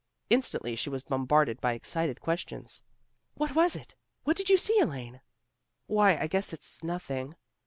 Instantly she was bombarded by excited questions. "What was it? What did you see, Elaine?" "Why, I guess it's nothing.